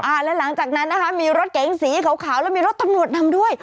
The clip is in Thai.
แล้วหลังจากนั้นนะคะมีรถเก๋งสีขาวแล้วมีรถตำรวจนำด้วย